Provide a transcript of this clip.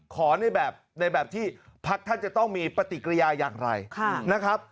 ในแบบในแบบที่พักท่านจะต้องมีปฏิกิริยาอย่างไรนะครับ